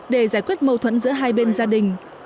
để giải quyết mâu thuẫn giữa hai bên gia đình